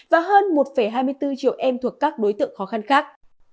và hơn một hai mươi bốn triệu em thuộc các đối tượng khó khăn khác